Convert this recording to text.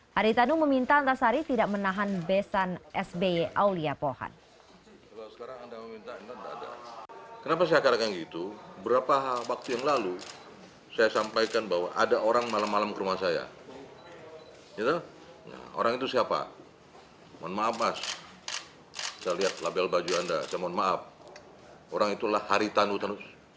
haritanu meminta antasari tidak menahan pesan sby aulia pohan